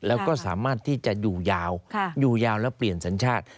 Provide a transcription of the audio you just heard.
แล้วก็สามารถที่จะอยู่ยาวอยู่ยาวแล้วเปลี่ยนสัญชาติ